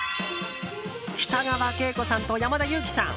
北川景子さんと山田裕貴さん。